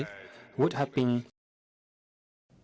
tuy nhiên chủ tịch trung quốc tập cận bình